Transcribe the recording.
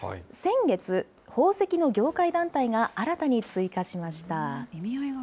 先月、宝石の業界団体が新たに追加しました。